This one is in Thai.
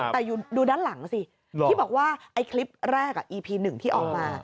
แต่ดูด้านหลังสิที่บอกว่าไอ้คลิปแรกอีพีหนึ่งที่ออกมา